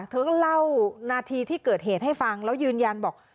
เธอก็เล่านาทีที่เกิดเหตุให้ฟังแล้วยืนยันบอก